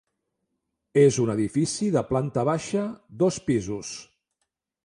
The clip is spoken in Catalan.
És un edifici de planta baixa, dos pisos.